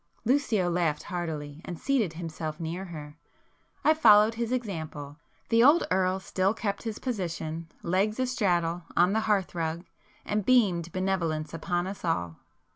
Lucio laughed heartily, and seated himself near her—I followed his example; the old Earl still kept his position, legs a straddle, on the hearth rug, and beamed benevolence upon us all.